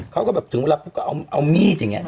เขาก็แบบถึงเวลาปุ๊บก็เอามีดอย่างนี้